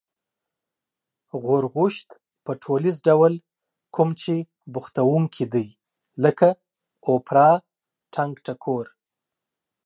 غورغوشت په ټولیز ډول کوم چې بوختوونکي دی لکه: اوپرا، ټنگټکور